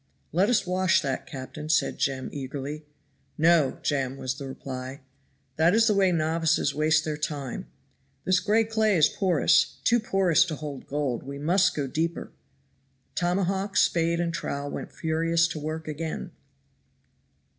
"Let us wash that, captain," said Jem eagerly. "No! Jem," was the reply; "that is the way novices waste their time. This gray clay is porous, too porous to hold gold we must go deeper." Tomahawk, spade and trowel went furiously to work again.